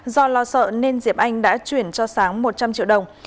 do lo sợ nên diệp anh đã chuyển cho sáng một trăm linh triệu đồng